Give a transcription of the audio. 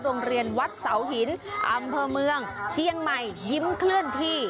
โรงเรียนวัดเสาหินอำเภอเมืองเชียงใหม่ยิ้มเคลื่อนที่